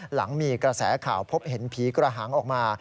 หลังมีกระแสข่าวพบเห็นผีกระหางออกมา